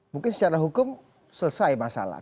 mungkin secara hukum selesai masalah